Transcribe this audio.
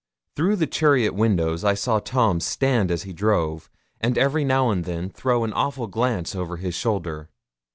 Through the chariot windows I saw Tom stand as he drove, and every now and then throw an awful glance over his shoulder.